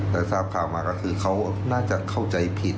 แต่ทราบข่าวมาก็คือเขาน่าจะเข้าใจผิด